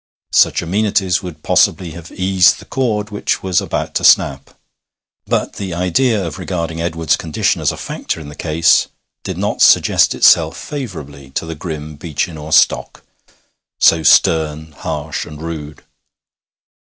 Such amenities would possibly have eased the cord which was about to snap; but the idea of regarding Edward's condition as a factor in the case did not suggest itself favourably to the grim Beechinor stock, so stern, harsh, and rude.